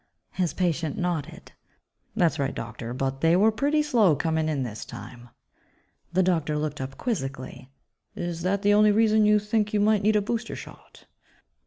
His patient nodded, "That's right, Doctor. But they were pretty slow coming in this time." The doctor looked up quizzically, "Is that the only reason you think you might need a booster shot?"